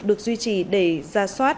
được duy trì để ra soát